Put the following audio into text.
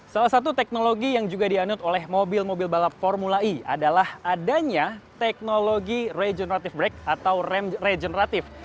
salah satu teknologi yang juga dianut oleh mobil mobil balap formula e adalah adanya teknologi regenerative break atau rem regeneratif